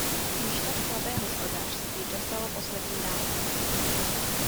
Již tak slabé hospodářství dostalo poslední ránu.